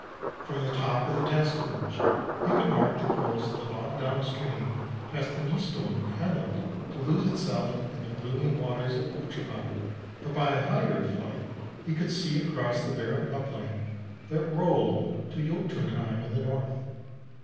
From the top of the tassel birch he could mark the course of the Vand dam stream past the Nystuen hamlet to lose itself in the gloomy waters of Utrovand or by a higher flight he could see across the barren upland that rolled to Jotunheim in the north.